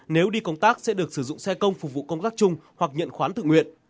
nếu đi công tác sẽ được sử dụng xe công phục vụ công tác chung hoặc nhận khoán tự nguyện